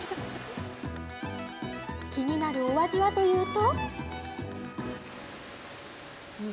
気になるお味はというと。